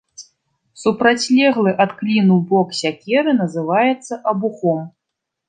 Супрацьлеглы ад кліну бок сякеры называецца абухом.